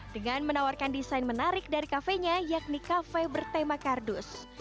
dengan menawarkan desain menarik dari kafenya yakni kafe bertema kardus